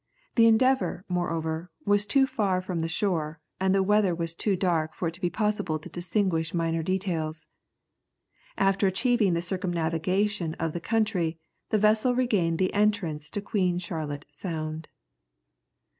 The Endeavour, moreover, was too far from the shore, and the weather was too dark for it to be possible to distinguish minor details. After achieving the circumnavigation of the country, the vessel regained the entrance to Queen Charlotte Sound.